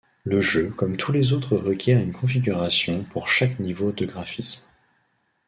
Le jeu comme tout les autres requiert une configuration pour chaque niveaux de graphismes.